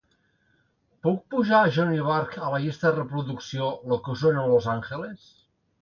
Puc posar a johnny burke a la llista de reproducció "lo que suena los angeles"?